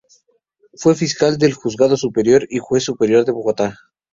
Fue fiscal del Juzgado Superior y juez superior de Bogotá.